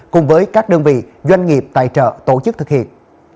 cùng với các đơn vị doanh nghiệp tài trợ tổ chức thực hiện